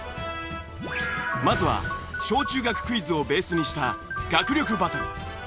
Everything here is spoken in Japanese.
まずは小中学クイズをベースにした学力バトル。